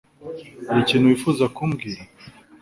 Hari ikintu wifuza kubwira ?